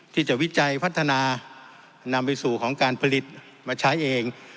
ที่จะวิจัยพัฒนานามวิสูจน์ของการผลิตมาใช้เอง